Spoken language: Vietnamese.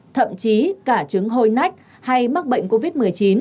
thậm chí cả trứng hơi nách hay mắc bệnh covid một mươi chín